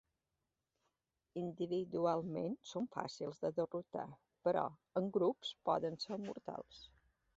Individualment són fàcils de derrotar, però en grups poden ser mortals.